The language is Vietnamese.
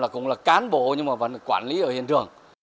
còn bốn mươi là cán bộ nhưng mà vẫn quản lý ở hiện trường